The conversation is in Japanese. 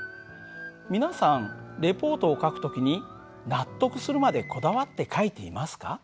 皆さんレポートを書く時に納得するまでこだわって書いていますか？